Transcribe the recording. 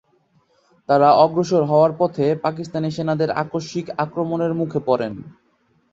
তারা অগ্রসর হওয়ার পথে পাকিস্তানি সেনাদের আকস্মিক আক্রমণের মুখে পড়েন।